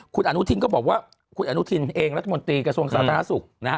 คุณอนุทินก็บอกว่าคุณอนุทินเองรัฐมนตรีกระทรวงสาธารณสุขนะฮะ